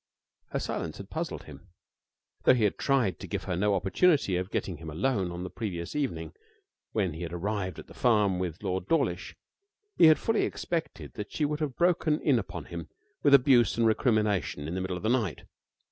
Her silence had puzzled him. Though he had tried to give her no opportunity of getting him alone on the previous evening when he had arrived at the farm with Lord Dawlish, he had fully expected that she would have broken in upon him with abuse and recrimination in the middle of the night.